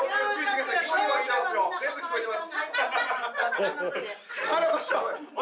全部聞こえてます。